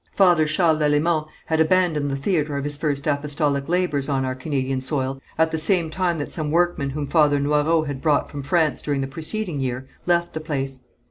Father Charles Lalemant had abandoned the theatre of his first apostolic labours on our Canadian soil, at the same time that some workmen whom Father Noyrot had brought from France during the preceding year, left the place.